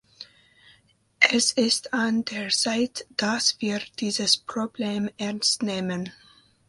Es ist an der Zeit, dass wir dieses Problem ernst nehmen.